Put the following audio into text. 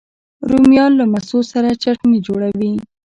رومیان له مستو سره چټني جوړوي